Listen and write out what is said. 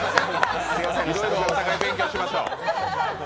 いろいろお互い勉強しましょう。